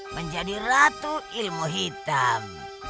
menjadi ratu ilmu hitam